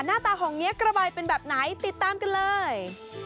หน้าตาของเงี้ยกระใบเป็นแบบไหนติดตามกันเลย